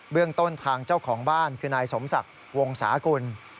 เรื่องต้นทางเจ้าของบ้านคือนายสมศักดิ์วงศากุล